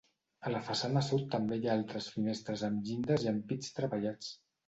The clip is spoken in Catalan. A la façana sud també hi ha altres finestres amb llindes i ampits treballats.